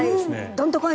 どんとこい！